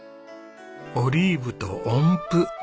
オリーブと音符。